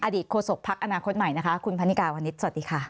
โฆษกภักดิ์อนาคตใหม่นะคะคุณพันนิกาวันนี้สวัสดีค่ะ